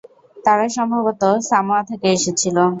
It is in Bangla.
তারা সম্ভবত সামোয়া থেকে এসেছিল।